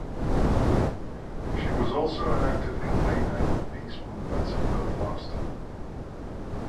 She was also an active campaigner in the peace movements in Belfast.